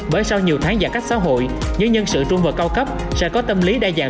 bởi sau nhiều tháng giãn cách xã hội những nhân sự trung và cao cấp sẽ có tâm lý đa dạng